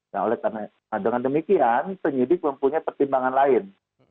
nah dengan demikian penyidik mempunyai pertimbangan lain